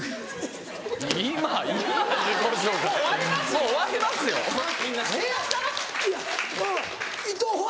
・もう終わりますよ・伊藤は？